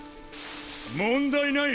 問題ない。